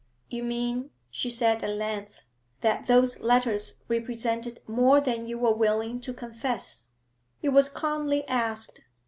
'You mean,' she said at length, 'that those letters represented more than you were willing to confess?' It was calmly asked.